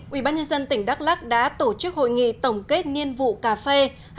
ubnd tỉnh đắk lắc đã tổ chức hội nghị tổng kết nhiên vụ cà phê hai nghìn một mươi sáu hai nghìn một mươi bảy